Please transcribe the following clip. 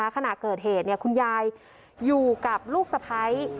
ขณะเกิดเหตุคุณยายอยู่กับลูกสะพ้าย